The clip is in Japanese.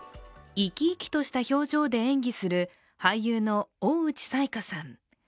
生き生きとした表情で演技する俳優の大内彩加さん。